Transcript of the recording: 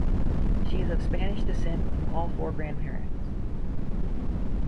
She is of Spanish descent from all four grandparents.